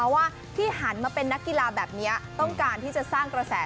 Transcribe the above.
ว่าที่หันมาเป็นนักกีฬาแบบนี้ต้องการที่จะสร้างกระแส